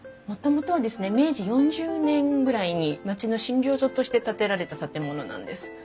もともとは明治４０年ぐらいに町の診療所として建てられた建物なんです。